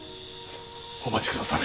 お待ちくだされ。